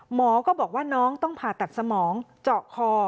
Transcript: หมอก็บอกว่าน้องต้องผ่าตัดสมองเจาะคอ